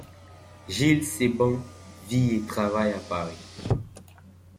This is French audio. Gilles Sebhan vit et travaille à Paris.